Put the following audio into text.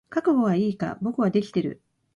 覚悟はいいか？俺はできてる。